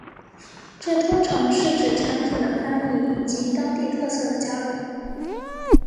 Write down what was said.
这通常是指产品的翻译以及当地特色的加入。